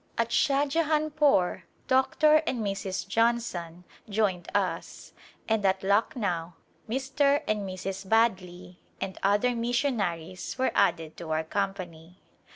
At Shahjahanpore Dr. and Mrs. Johnson joined us and at Lucknow Mr. and Airs. Badley and other missionaries were added to our company.